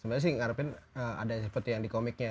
sebenarnya sih ngarapin ada seperti yang di komiknya